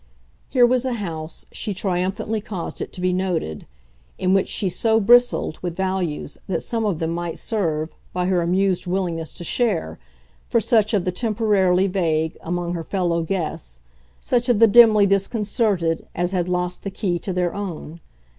Here was a house, she triumphantly caused it to be noted, in which she so bristled with values that some of them might serve, by her amused willingness to share, for such of the temporarily vague, among her fellow guests, such of the dimly disconcerted, as had lost the key to their own.